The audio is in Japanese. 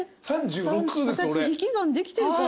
私引き算できてるかな？